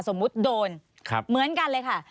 โดนเหมือนกันเลยค่ะ